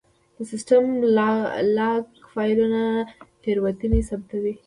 د سیسټم لاګ فایلونه تېروتنې ثبتوي.